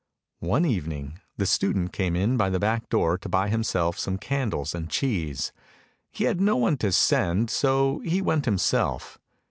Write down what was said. One evening the student came in by the back door to buy himself some candles and cheese; he had no one to send, so he went himself.